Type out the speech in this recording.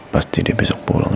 pasti dia besok pulang